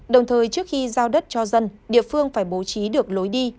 đồng thời trước khi giao đất cho dân địa phương phải bố trí được lối đi